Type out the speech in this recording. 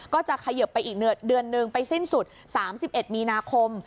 ก็จะเขยิบไปอีกเดือนหนึ่งไปสิ้นสุด๓๑มีนาคม